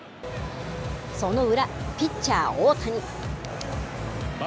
その裏、ピッチャー、大谷。